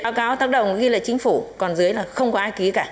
báo cáo tác động ghi lại chính phủ còn dưới là không có ai ký cả